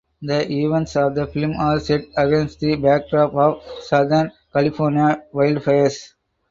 The events of the film are set against the backdrop of Southern California wildfires.